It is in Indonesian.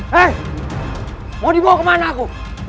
hei mau dibawa kemana aku